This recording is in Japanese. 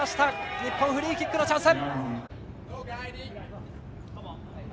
日本、フリーキックのチャンス。